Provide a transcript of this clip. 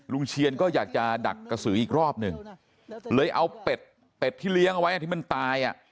เชียนก็อยากจะดักกระสืออีกรอบหนึ่งเลยเอาเป็ดเป็ดที่เลี้ยงเอาไว้ที่มันตายอ่ะ